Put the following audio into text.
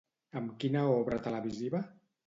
Amb quina obra televisiva?